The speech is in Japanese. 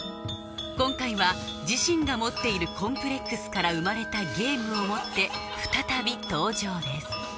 今回は自身が持っているコンプレックスから生まれたゲームを持って再び登場です